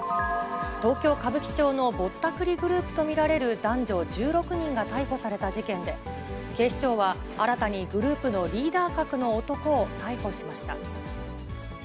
東京・歌舞伎町のぼったくりグループと見られる男女１６人が逮捕された事件で、警視庁は新たにグループのリーダー格の男を逮捕しました。